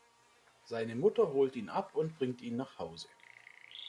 Seine Mutter holt ihn ab und bringt ihn nach Hause.